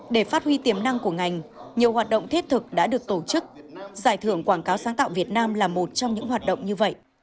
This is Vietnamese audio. để phát huy tiềm năng của ngành nhiều hoạt động thiết thực đã được tổ chức giải thưởng quảng cáo sáng tạo việt nam là một trong những hoạt động như vậy